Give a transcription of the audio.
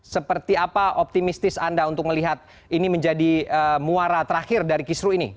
seperti apa optimistis anda untuk melihat ini menjadi muara terakhir dari kisru ini